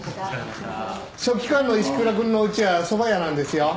書記官の石倉くんのうちはそば屋なんですよ。